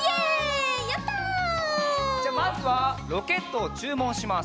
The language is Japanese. じゃあまずはロケットをちゅうもんします。